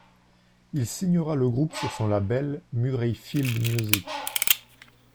Il signera le groupe sur son label Murrayfield Music.